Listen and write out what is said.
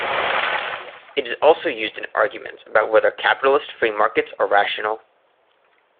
It is also used in arguments about whether capitalist free markets are rational.